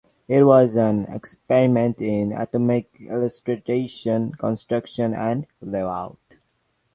It was an experiment in automatic illustration construction and layout.